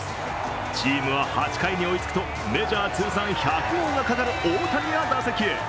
チームは８回に追いつくとメジャー通算１００号がかかる大谷が打席へ。